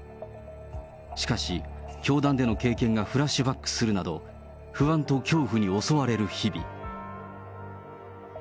しかし、教団での経験がフラッシュバックするなど、不安と恐怖に襲われる日々。